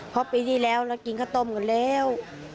เพราะปีที่แล้วเรากินข้าวต้มกันแล้ว